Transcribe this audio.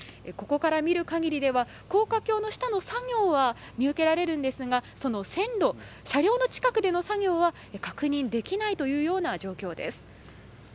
ここから見る限りでは高架橋の下の作業は見受けられるんですがその線路、車両の近くでの作業は確認できないという状況です。